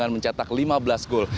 tetap lima belas gol